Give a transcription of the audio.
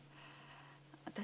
私